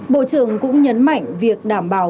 bộ trưởng cũng nhấn mạnh việc đảm bảo